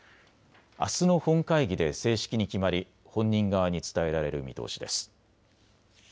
あすの本会議で正式に決まり本人側に伝えられる見通しです。